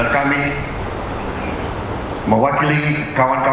saya berterima kasih kepada anda